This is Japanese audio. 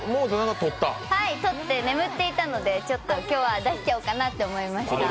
撮って、眠っていたので今日は出しちゃおうかなと思いました。